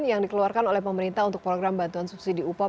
yang dikeluarkan oleh pemerintah untuk program bantuan subsidi upah